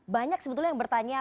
banyak sebetulnya yang bertanya